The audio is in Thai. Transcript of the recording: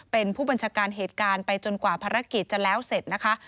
เป็นผู้บัญชาการเหตุการณ์ไปจนกว่าภารกิจจะแล้วเสร็จนะคะ